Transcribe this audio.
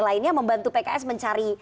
lainnya membantu pks mencari